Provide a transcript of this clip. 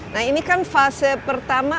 nah ini kan fase pertama